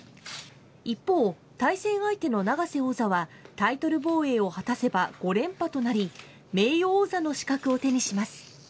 一方、対戦相手の永瀬王座は、タイトル防衛を果たせば５連覇となり、名誉王座の資格を手にします。